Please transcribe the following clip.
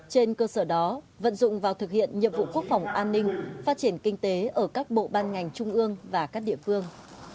trên cơ sở đó vận dụng vào thực hiện nhiệm vụ quốc phòng an ninh phát triển kinh tế ở các bộ ban ngành trung ương và các địa phương